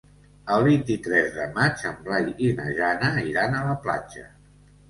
El vint-i-tres de maig en Blai i na Jana iran a la platja.